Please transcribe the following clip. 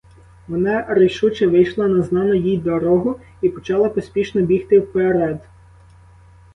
Вона рішуче вийшла на знану їй дорогу і почала поспішно бігти вперед.